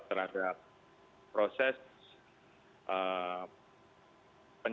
terima kasih pak